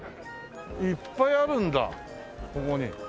いっぱいあるんだここに。